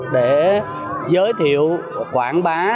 để giới thiệu quảng bá